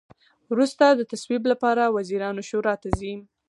وروسته د تصویب لپاره وزیرانو شورا ته ځي.